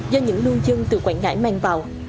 do những lưu dân từ quảng ngãi mang vào